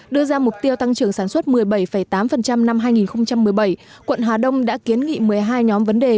đưa ra mục tiêu tăng trưởng sản xuất một mươi bảy tám năm hai nghìn một mươi bảy quận hà đông đã kiến nghị một mươi hai nhóm vấn đề